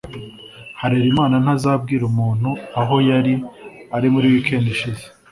Harerimana ntazabwira umuntu aho yari ari muri weekend ishize.